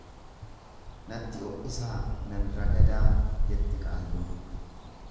Natti o'isaa nan ragadaa jette qaalluun.